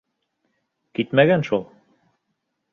Китмәгән шул.